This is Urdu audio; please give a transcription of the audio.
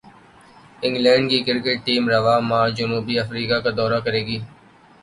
انگلینڈ کی کرکٹ ٹیم رواں ماہ جنوبی افریقہ کا دورہ کرے گی